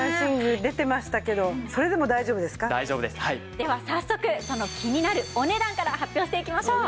では早速その気になるお値段から発表していきましょう。